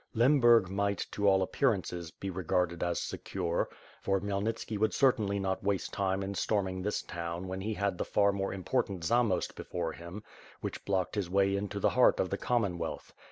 Lemburg might, to all appearances, be regarded as secure; for Khmyelnitski would certainly not waste time in storming this town when he had the far more important Zamost before him; which blocked his way into the heart of the Commonwealth.